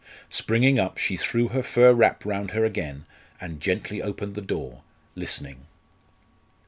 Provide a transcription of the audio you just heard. Springing up, she threw her fur wrap round her again, and gently opened the door, listening.